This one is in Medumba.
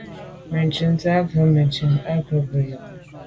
Mɛ̀ntchìn gə̀ rə̌ nə̀ bə́ mɛ̀ntchìn á bû jû zə̄ à rə̂.